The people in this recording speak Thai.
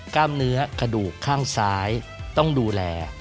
กล้ามเนื้อกระดูกข้างซ้ายต้องดูแล